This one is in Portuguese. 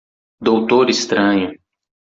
Doutor Estranho.